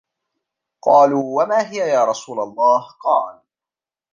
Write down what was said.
قَالُوا وَمَا هِيَ يَا رَسُولَ اللَّهِ ؟ قَالَ